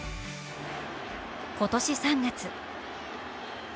今年３月。